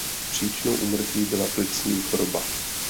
Příčinou úmrtí byla plicní choroba.